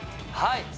はい！